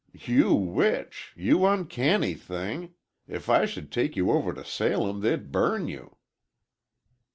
"You witch! You uncanny thing! If I should take you over to Salem, they'd burn you!"